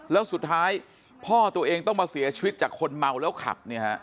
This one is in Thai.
แล้วสุดท้ายพ่อตัวเองต้องมาเสียชีวิตจากคนเมาแล้วขับเนี่ยฮะ